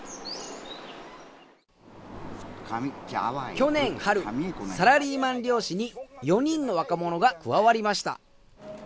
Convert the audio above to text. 去年春サラリーマン漁師に４人の若者が加わりました。